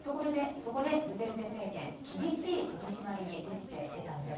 そこで、ドゥテルテ政権厳しい取り締まりに打って出たんです。